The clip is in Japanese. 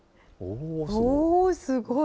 おー、すごい。